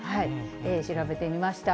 調べてみました。